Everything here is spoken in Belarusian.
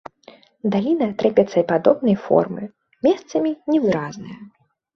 Даліна трапецападобнай формы, месцамі невыразная.